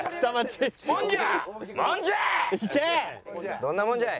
どんなもんじゃい。